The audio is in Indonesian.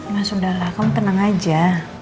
nah sudah lah kamu tenang aja